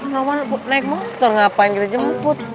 ngomong naik motor ngapain kita jemput